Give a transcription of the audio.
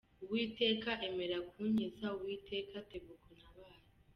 Uwiteka emera kunkiza, Uwiteka tebuka untabare.